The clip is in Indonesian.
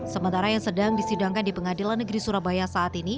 sementara yang sedang disidangkan di pengadilan negeri surabaya saat ini